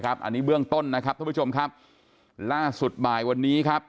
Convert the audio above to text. อันนี้เบื้องต้นนะครับท่านผู้ชมครับล่าสุดบ่ายวันนี้ครับ